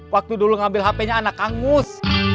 waktu dulu ngambil hp nya anak hangus